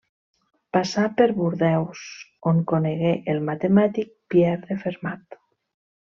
Passà per Bordeus, on conegué el matemàtic Pierre de Fermat.